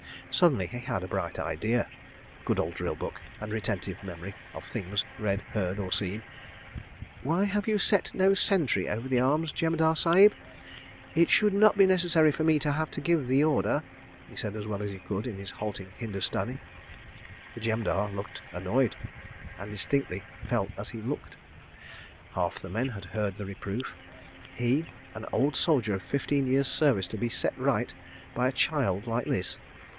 Suddenly he had a bright idea. (Good old drill book and retentive memory of things read, heard, or seen!) ... "Why have you set no sentry over the arms, Jemadar Sahib? It should not be necessary for me to have to give the order," he said as well as he could in his halting Hindustani. The Jemadar looked annoyed—and distinctly felt as he looked. Half the men had heard the reproof. He, an old soldier of fifteen years' service, to be set right by a child like this!